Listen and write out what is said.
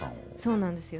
そうなんですよ。